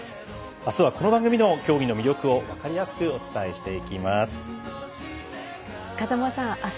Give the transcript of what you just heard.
あすは、この番組でも競技の魅力を分かりやすくお伝えしていきます。